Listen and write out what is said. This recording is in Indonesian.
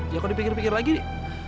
ya kalau dipikir pikir lagi nih